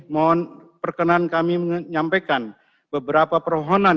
mohon perkenan kami menyampaikan beberapa permohonan